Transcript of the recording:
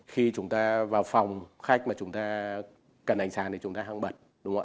khi chúng ta vào phòng khách mà chúng ta cần ảnh sản thì chúng ta hăng bật đúng không ạ